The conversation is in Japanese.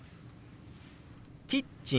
「キッチン」。